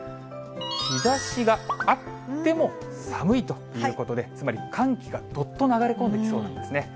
日ざしがあっても寒いということで、つまり寒気がどっと流れ込んできそうなんですね。